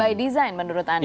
by design menurut anda